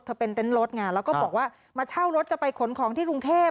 เป็นเต็นต์รถไงแล้วก็บอกว่ามาเช่ารถจะไปขนของที่กรุงเทพ